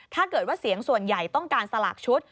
ถ้าเกิดว่าเสียงส่วนใหญ่ต้องการสลากชุด